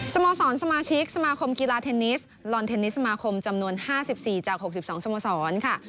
โมสรสมาชิกสมาคมกีฬาเทนนิสลอนเทนนิสสมาคมจำนวน๕๔จาก๖๒สโมสรค่ะ